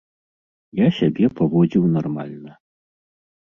Я сябе паводзіў нармальна.